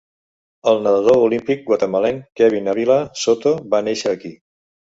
El nadador olímpic guatemalenc Kevin Avila Soto va néixer aquí.